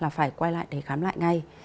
là phải quay lại để khám lại ngay